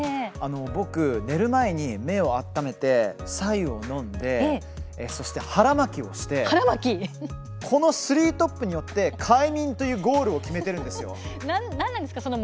僕は寝る前に目を温めてさ湯を飲んでそして腹巻きをしてこのスリートップによって快眠というゴールを決めているんですよ。